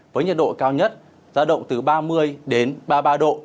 với nhiệt độ cao nhất ra động từ ba mươi đến ba mươi ba độ